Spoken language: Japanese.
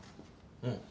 うん。